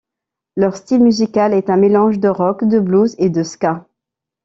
Leur style musical est un mélange de rock, de blues et de ska.